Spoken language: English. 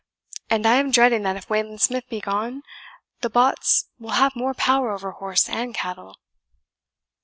And I am dreading that if Wayland Smith be gone, the bots will have more power over horse and cattle."